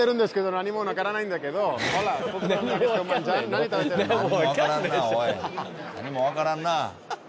何もわからんな。